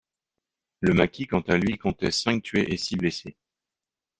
Le maquis quant à lui comptait cinq tués et six blessés.